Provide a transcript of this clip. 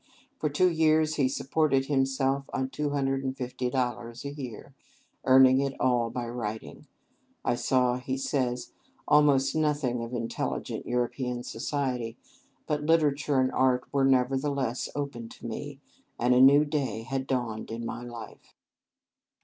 For two years he supported himself on two hundred and fifty dollars a year, earning it all by writing. "I saw," he says, "almost nothing of intelligent European society; but literature and art were, nevertheless, open to me, and a new day had dawned in my life."